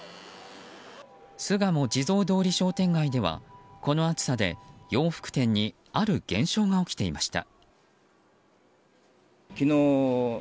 巣鴨地蔵通り商店街ではこの暑さで洋服店にある現象が起きていました。